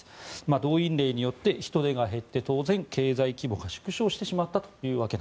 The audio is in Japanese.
動員令によって人手が減って当然、経済規模が縮小してしまったと。